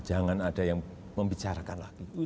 jangan ada yang membicarakan lagi